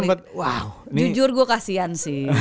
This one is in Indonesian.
wah jujur gue kasian sih